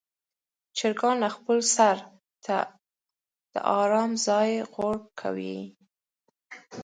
چرګان خپل سر ته د آرام ځای غوره کوي.